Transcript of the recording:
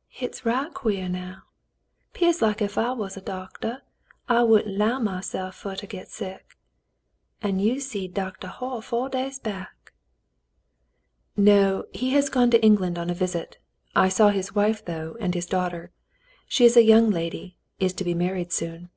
'' "Hit's right quare now; 'pears like ef I was a doctah I wouldn't 'low myself fer to get sick. An' you seed Doctah Hoyle fo' days back !" "No, he has gone to England on a visit. I saw his wife, though, and his daughter. She is a young lady — is to be married soon."